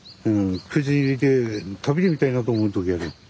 口に入れて食べてみたいなと思う時があるよ。